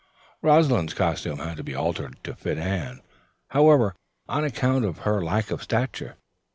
Rosalind's costumes had to be altered to fit Anne, however, on account of her lack of stature.